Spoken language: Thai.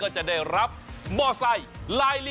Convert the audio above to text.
จะได้มอเตอร์ไทยขั้นต่อไปแล้วค่ะ